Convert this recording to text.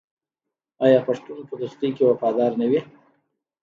آیا پښتون په دوستۍ کې وفادار نه وي؟